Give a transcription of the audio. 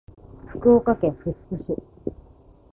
福岡県福津市